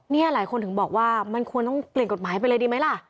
นี่หลายคนถึงบอกว่ามันควรต้องเปลี่ยนกฎหมายไปเลยดีไหมล่ะ